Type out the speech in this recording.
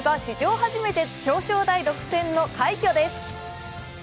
初めて表彰台独占の快挙です。